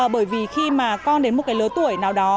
bởi vì khi mà con đến một cái lứa tuổi nào đó